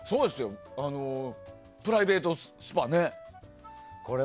プライベートスパね。